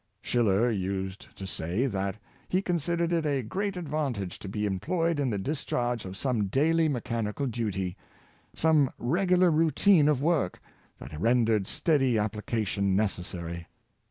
Schiller used to say that he considered it a great advantage to be employed in the discharge of some daily mechanical duty — some regular routine of work, that rendered steady application necessary.